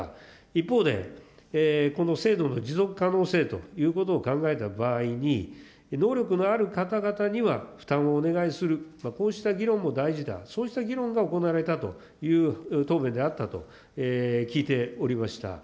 一方で、この制度の持続可能性というものを考えた場合に、能力のある方々には負担をお願いする、こうした議論も大事だ、そうした議論が行われたという答弁であったと聞いておりました。